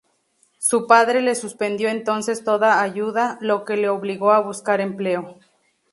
Su padre le suspendió entonces toda ayuda, lo que le obligó a buscar empleo.